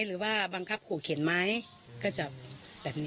หรือว่าบังคับขู่เข็นไหมก็จะแบบนี้